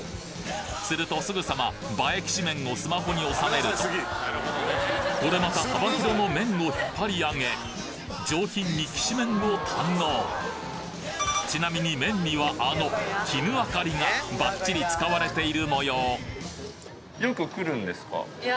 するとすぐさま映えきしめんをスマホに収めるとこれまた幅広の麺を引っ張り上げ上品にきしめんを堪能ちなみに麺にはあのきぬあかりがバッチリ使われている模様いや。